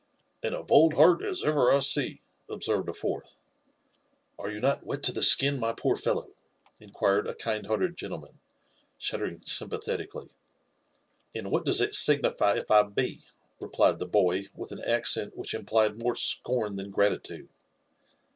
" And a bold heart as ever I see," observed a fourth. '' Are you not wet to the skin, my poor fellow?" inquired a kind hearted gentleman, shuddering sympalhelically. " And what does it signify if I be ?" replied the boy with an accent which implied more scorn than gratitude.